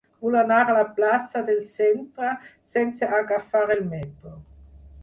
Vull anar a la plaça del Centre sense agafar el metro.